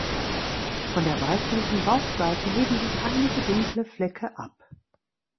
Von der weißlichen Bauchseite heben sich einige dunkle Flecke ab.